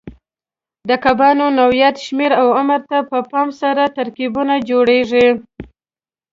د کبانو نوعیت، شمېر او عمر ته په پام سره ترکیبونه جوړېږي.